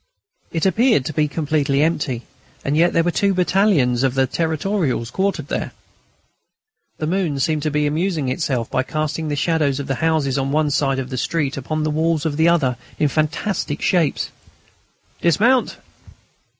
It appeared to be completely empty, and yet there were two battalions of the Territorials quartered there. The moon seemed to be amusing itself by casting the shadows of the houses on one side of the street upon the walls of the other side in fantastic shapes. "Dismount."